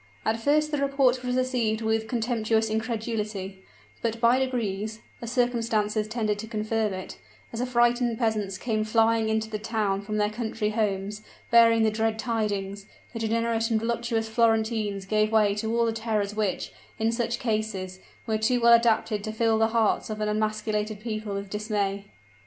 At first the report was received with contemptuous incredulity; but by degrees as circumstances tended to confirm it as affrighted peasants came flying into the town from their country homes, bearing the dread tidings, the degenerate and voluptuous Florentines gave way to all the terrors which, in such cases, were too well adapted to fill the hearts of an emasculated people with dismay.